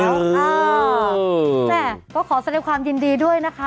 อ๋อแม่ก็ขอเสร็จความยินดีด้วยนะคะ